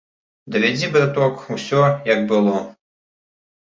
Давядзі, браток, усё, як было.